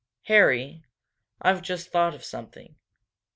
"Harry, I've just thought of something.